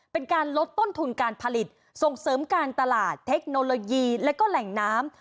เป็นการลดต้นทุนการผลิตส่งเสริมการตลาดเทคโนโลยีและก็แหล่งน้ำ